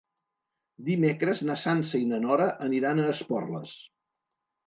Dimecres na Sança i na Nora aniran a Esporles.